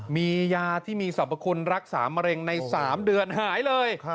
มียาที่มีสรรพคุณรักษามะเร็งใน๓เดือนหายเลย